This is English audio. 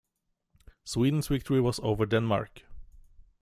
Sweden's victory was over Denmark.